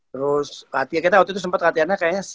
terus latihan kita waktu itu sempet latihannya kembali ke ibl kan ya